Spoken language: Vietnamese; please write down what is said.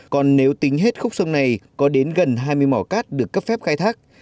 còn nếu tính hết khúc sông này có đến gần hai mươi mỏ cát được cấp phép khai thác